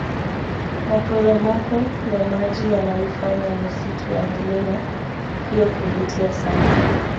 maporomoko ya maji yanaifanya misitu ya milima hiyo kuvutia sana